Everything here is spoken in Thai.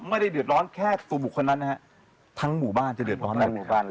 ไม่ได้เดือดร้อนแค่ตัวบุคคลนั้นนะฮะทั้งหมู่บ้านจะเดือดร้อนนะ